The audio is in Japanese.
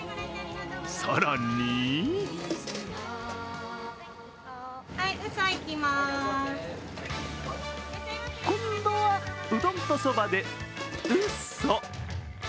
更に今度はうどんとそばでうそ。